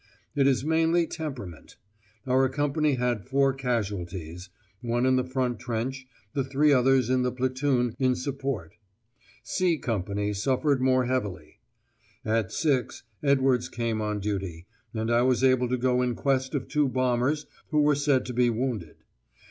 It is mainly temperament. Our company had four casualties: one in the front trench, the three others in the platoon in support. "C" Company suffered more heavily. At 6.0 Edwards came on duty, and I was able to go in quest of two bombers who were said to be wounded.